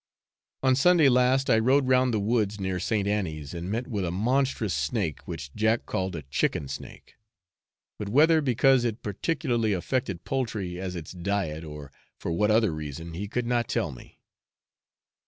On Sunday last, I rode round the woods near St. Annie's and met with a monstrous snake, which Jack called a chicken snake; but whether because it particularly affected poultry as its diet, or for what other reason, he could not tell me.